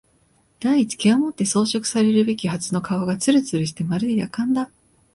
第一毛をもって装飾されるべきはずの顔がつるつるしてまるで薬缶だ